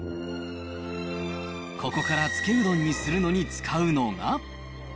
ここからつけうどんにするのに使うのが。